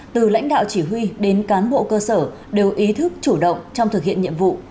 từ lãnh đạo chỉ huy đến cán bộ cơ sở đều ý thức chủ động trong thực hiện nhiệm vụ